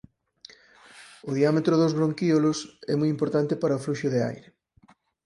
O diámetro dos bronquíolos é moi importante para o fluxo de aire.